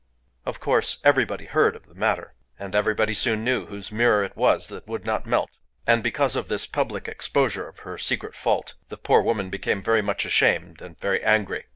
Of course everybody heard of the matter, and everybody soon knew whose mirror it was that would not melt. And because of this public exposure of her secret fault, the poor woman became very much ashamed and very angry.